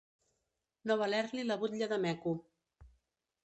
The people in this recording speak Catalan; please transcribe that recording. No valer-li la butlla de Meco.